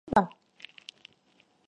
계속 해봐.